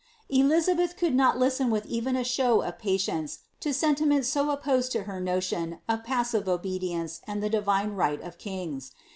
"' Elizabeth could not listen with even a show of patience to sentiments so opposed to her notion of passive obedience ind the divine right of kings.